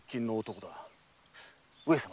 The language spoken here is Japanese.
上様